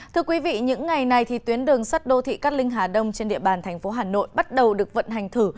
thưa quý vị những ngày này thì tuyến đường sắt đô thị cát linh hà đông trên địa bàn thành phố hà nội bắt đầu được vận hành thử